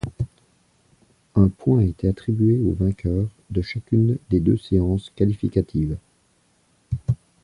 Un point était attribué au vainqueur de chacune des deux séances qualificatives.